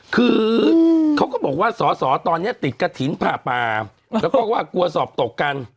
คือเขาก็บอกว่าสอสอตอนนี้ติดกระถิ่นผ่าป่าแล้วก็ว่ากลัวสอบตกกัน